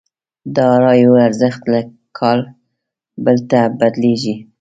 داراییو ارزښت له کال بل ته بدلېږي.